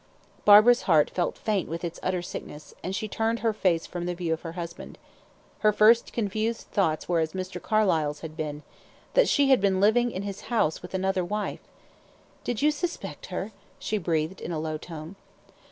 Barbara's heart felt faint with its utter sickness, and she turned her face from the view of her husband. Her first confused thoughts were as Mr. Carlyle's had been that she had been living in his house with another wife. "Did you suspect her?" she breathed, in a low tone.